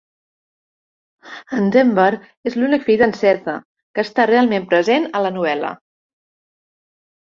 En Denver és l'únic fill d"en Sethe que està realment present a la novel·la.